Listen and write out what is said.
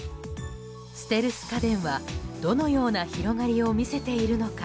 ステルス家電は、どのような広がりを見せているのか。